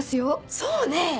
そうね！